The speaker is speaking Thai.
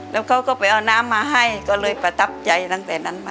แล้วเขาก็ไปเอาน้ำมาให้ก็เลยประทับใจตั้งแต่นั้นมา